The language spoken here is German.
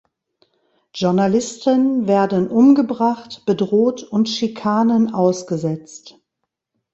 Journalisten werden umgebracht, bedroht und Schikanen ausgesetzt.